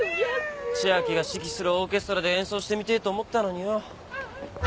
千秋が指揮するオーケストラで演奏してみてえと思ったのによ。